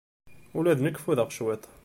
Ula d nekk ffudeɣ cwiṭ.